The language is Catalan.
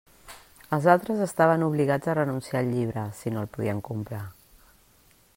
Els altres estaven obligats a renunciar al llibre si no el podien comprar.